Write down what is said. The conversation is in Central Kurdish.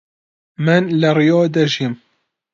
من لە ڕیۆ دەژیم.